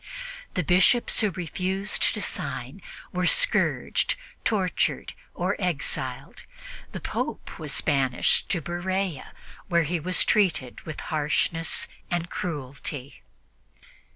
The Bishops who refused to sign were scourged, tortured or exiled; the Pope was banished to Berea, where he was treated with harshness and cruelty.